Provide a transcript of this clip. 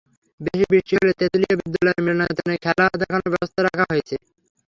বেশি বৃষ্টি হলে তেঁতুলিয়া বিদ্যালয়ের মিলনায়তনে খেলা দেখানোর ব্যবস্থা রাখা হয়েছে।